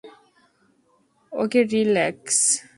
ওকে, relax.